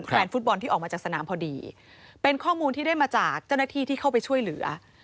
แฟนฟุตบอลที่ออกมาจากสนามพอดีเป็นข้อมูลที่ได้มาจากเจ้าหน้าที่ที่เข้าไปช่วยเหลือ